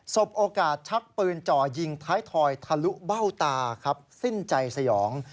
บโอกาสชักปืนจ่อยิงท้ายทอยทะลุเบ้าตาครับสิ้นใจสยอง